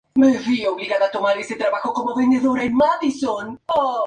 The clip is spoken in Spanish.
Comenzó su carrera en la Escuela de Fútbol Zaldívar de Antofagasta.